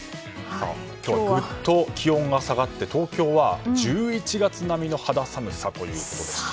今日はぐっと気温が下がって東京は１１月並みの肌寒さということでした。